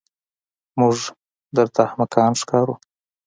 موږ درته احمقان ښکارو.